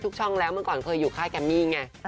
ช่องแล้วเมื่อก่อนเคยอยู่ค่ายแกมมี่ไง